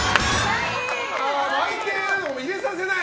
相手のを入れさせない。